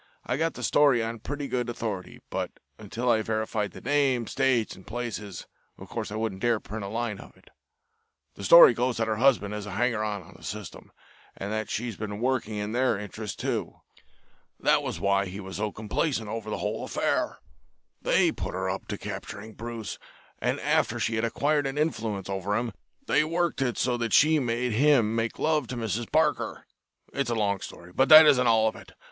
I got the story on pretty good authority, but until I verified the names, dates, and places, of course I wouldn't dare print a line of it. The story goes that her husband is a hanger on of the System, and that she's been working in their interest, too. That was why he was so complacent over the whole affair. They put her up to capturing Bruce, and after she had acquired an influence over him they worked it so that she made him make love to Mrs. Parker. It's a long story, but that isn't all of it.